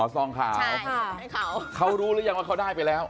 ซองขาวเขารู้หรือยังว่าเขาได้ไปแล้ว